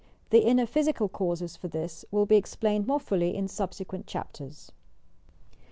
The inner psychical causes for this will be explained more fully in subsequent chapters.